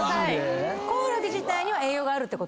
コオロギ自体には栄養がある？